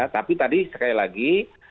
tapi tadi sekali lagi